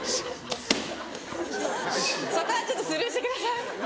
そこはちょっとスルーしてください。